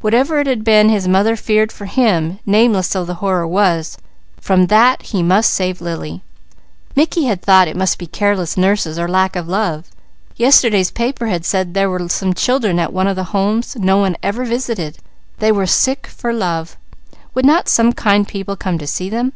Whatever it had been his mother had feared for him, nameless though the horror was, from that he must save Lily. Mickey had thought it must be careless nurses or lack of love. Yesterday's papers had said there were some children at one of the Homes, no one ever visited; they were sick for love; would not some kind people come to see them?